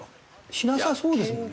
しなさそうですよね。